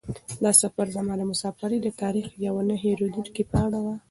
دا سفر زما د مسافرۍ د تاریخ یوه نه هېرېدونکې پاڼه وه.